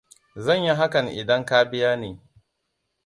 Zan yi hakan idan ka biya ni.